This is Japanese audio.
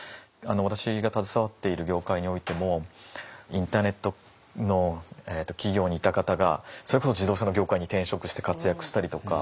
私が携わっている業界においてもインターネットの企業にいた方がそれこそ自動車の業界に転職して活躍したりとか。